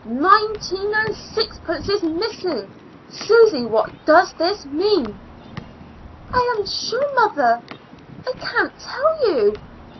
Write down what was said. Nineteen and sixpence is missing. Susy, what does this mean?" "I am sure, mother, I can't tell you.